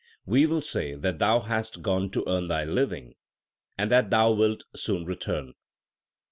We will say that thou hast gone to earn thy living, and that thou wilt soon return.